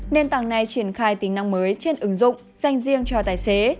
nền tảng này triển khai tính năng mới trên ứng dụng dành riêng cho tài xế